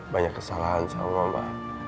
banyak kesalahan sama mama